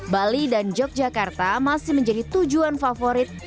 bali dan yogyakarta masih menjadi tujuan favorit